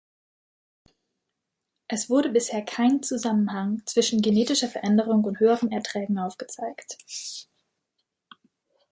Es wurde bisher kein Zusammenhang zwischen genetischer Veränderung und höheren Erträgen aufgezeigt.